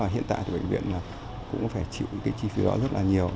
hiện tại thì bệnh viện cũng phải chịu cái chi phí đó rất là nhiều